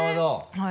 はい。